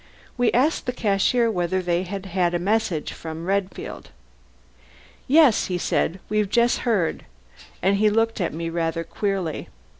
We asked the cashier whether they had had a message from Redfield. "Yes," he said. "We've just heard." And he looked at me rather queerly.